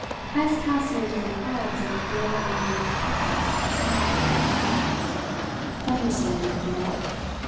Heyst cast an indifferent glance at the ill omened chaos of the sky. "Thunderstorm making up.